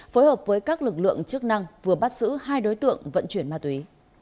phối hợp với các lực lượng chức năng vừa bắt giữ hai đối tượng vận chuyển ma túy